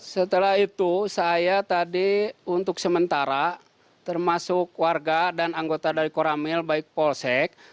setelah itu saya tadi untuk sementara termasuk warga dan anggota dari koramil baik polsek